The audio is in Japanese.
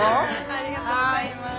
ありがとうございます。